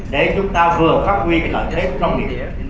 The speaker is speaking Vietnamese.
để chúng ta vừa phát huy cái lợi thế nông nghiệp